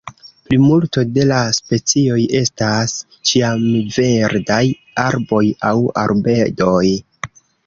Plimulto de la specioj estas ĉiamverdaj arboj aŭ arbedoj.